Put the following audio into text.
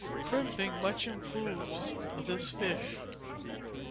Crimping much improves this fish.